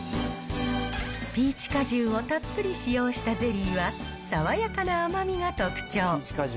ピーチ果汁をたっぷり使用したゼリーは、爽やかな甘みが特徴。